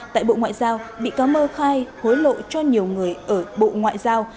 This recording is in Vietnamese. tại bộ ngoại giao bị cáo mơ khai hối lộ cho nhiều người ở bộ ngoại giao